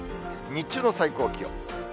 日中の最高気温。